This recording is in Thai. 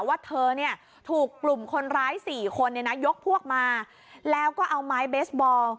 ว่าเธอเนี่ยถูกกลุ่มคนร้าย๔คนยกพวกมาแล้วก็เอาไม้เบสบอล